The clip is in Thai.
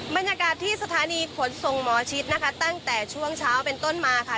บรรยากาศที่สถานีขนส่งหมอชิดนะคะตั้งแต่ช่วงเช้าเป็นต้นมาค่ะ